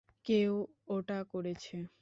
কেউ ওটা করেছে?